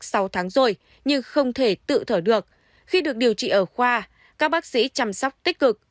bệnh viện khác sáu tháng rồi nhưng không thể tự thở được khi được điều trị ở khoa các bác sĩ chăm sóc tích cực